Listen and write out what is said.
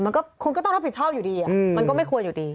มันก็คุณก็ต้องรับผิดชอบอยู่ดีมันก็ไม่ควรอยู่ดี